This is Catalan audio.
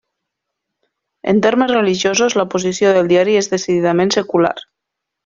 En temes religiosos, la posició del diari és decididament secular.